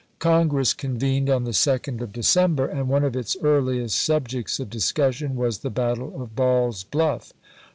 1861. Congress convened on the 2d of December, and one of its earliest subjects of discussion was the battle of Ball's Bluff.